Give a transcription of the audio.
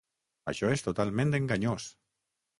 Això és totalment enganyós.